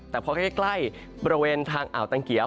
แต่พอใกล้บริเวณทางอ่าวตังเกียว